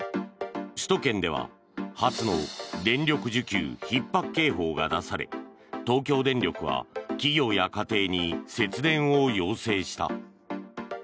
首都圏では初の電力需給ひっ迫警報が出され東京電力は企業や家庭に節電を要請した。